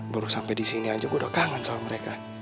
baru sampai disini aja gue udah kangen soal mereka